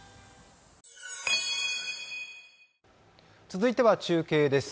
続いては中継です。